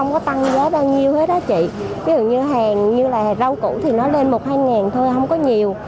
ví dụ như hàng như là rau củ thì nó lên một hai ngàn thôi không có nhiều